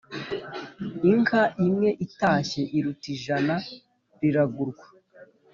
inka imwe itashye iruta ijana riragurwa